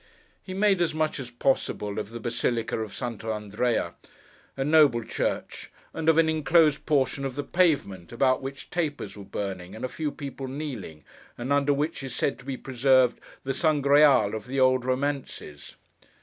He made as much as possible of the Basilica of Santa Andrea—a noble church—and of an inclosed portion of the pavement, about which tapers were burning, and a few people kneeling, and under which is said to be preserved the Sangreal of the old Romances.